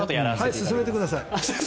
進めてください。